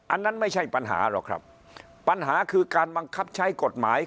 อันนั้นไม่ใช่ปัญหาหรอกครับปัญหาคือการบังคับใช้กฎหมาย